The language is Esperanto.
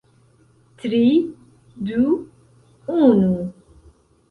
Tri... du... unu...